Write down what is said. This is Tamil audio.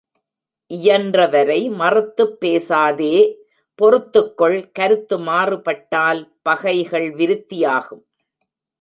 இயன்றவரை மறுத்துப்பேசாதே பொறுத்துக் கொள் கருத்து மாறுபட்டால் பகைகள் விருத்தியாகும்.